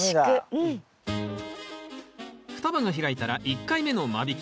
双葉が開いたら１回目の間引き。